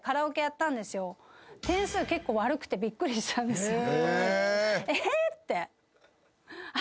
点数結構悪くてびっくりしたんですよ。